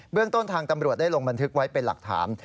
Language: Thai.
เรื่องต้นทางตำรวจได้ลงบันทึกไว้เป็นหลักฐาน